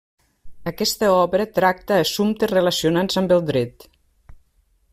Aquesta obra tracta assumptes relacionats amb el dret.